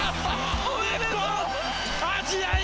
おめでとう！